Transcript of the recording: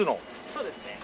そうですね。